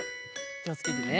きをつけてね！